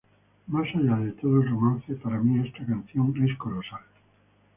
Más allá de todo el romance para mí esta canción es colosal.